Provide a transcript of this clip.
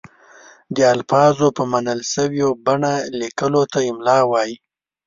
د الفاظو په منل شوې بڼه لیکلو ته املاء وايي.